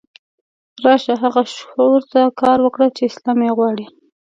راشه هغه شعور ته کار وکړه چې اسلام یې غواړي.